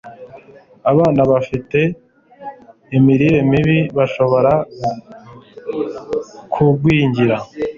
abana bafite imirire mibi bashobora kugwingira